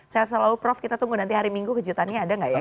sehat selalu prof kita tunggu nanti hari minggu kejutannya ada nggak ya